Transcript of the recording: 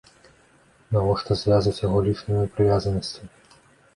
Нашто звязваць яго лішнімі прывязанасцямі?